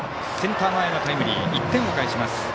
センター前のタイムリーで１点を返します。